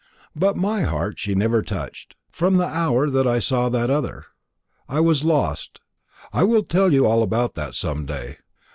But my heart she never touched. From the hour I saw that other, I was lost. I will tell you all about that some day.